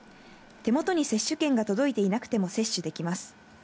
手元に接種券が届いていなくても接種できます。